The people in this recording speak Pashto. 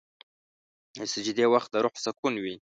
د سجدې وخت د روح سکون وي.